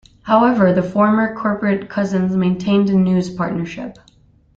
However, the former corporate cousins maintained a news partnership.